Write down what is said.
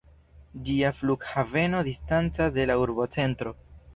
Ĝia flughaveno distancas de la urbocentro.